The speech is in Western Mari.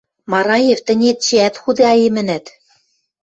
— Мараев, тӹнь эчеӓт худаэмӹнӓт...